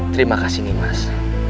terima kasih nimas